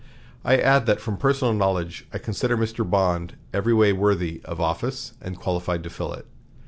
I add that from personal knowledge I consider Mr. Bond every way worthy of the office, and qualified to fill it.